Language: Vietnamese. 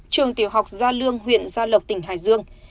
trường tiểu học gia lương huyện gia lộc tỉnh hải dương